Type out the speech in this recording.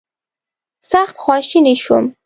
سخت خواشینی شوم.